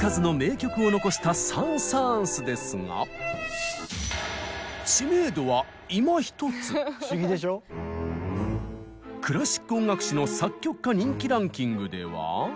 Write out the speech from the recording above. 数々の名曲を残したサン・サーンスですがクラシック音楽誌の作曲家人気ランキングでは。